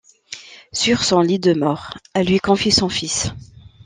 Sur son lit de mort, elle lui confie son fils.